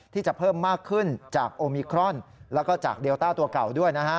ที่จะเพิ่มมากขึ้นจากโอมิครอนและจากเดลต้าตัวก่อนด้วย